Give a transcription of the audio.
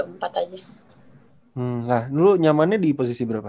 hmm nah lu nyamannya di posisi berapa